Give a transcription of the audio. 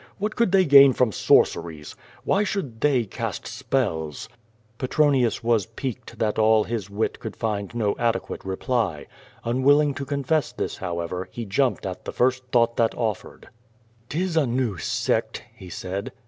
What could they gain from sorceries? Why should they cast spells?'' IVtronius was piqued that all his wit could find no ade quate reply. Unwilling to confess this, however, he jumped at the first thought that offered. " 'Tis a new sect," he said.